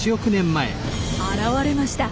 現れました。